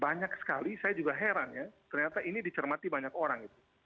banyak sekali saya juga heran ya ternyata ini dicermati banyak orang